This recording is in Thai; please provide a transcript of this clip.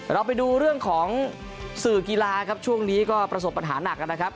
เราไปดูเรื่องของสื่อกีฬาครับช่วงนี้ก็ประสบปัญหาหนักนะครับ